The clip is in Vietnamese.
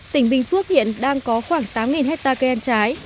tỉnh bình phước hiện đang có khoảng tám hectare cây ăn trái